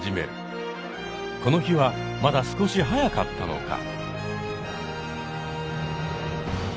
この日はまだ少し早かったのか。